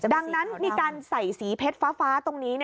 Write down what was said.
ดังนั้นมีการใส่สีเพชรฟ้าตรงนี้